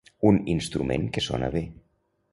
Un instrument que sona bé.